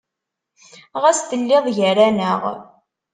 Ɣas telliḍ gar-aneɣ.